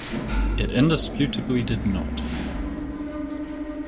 It indisputably did not.